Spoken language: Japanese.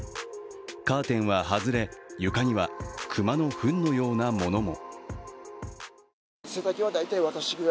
カーテンは外れ、床には熊のふんのようなものも。